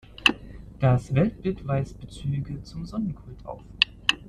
Das Weltbild weist Bezüge zum Sonnenkult auf.